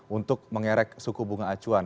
untuk mengerek suku bunga acuan